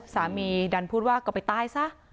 ดันพูดว่าก็ไปตายซะ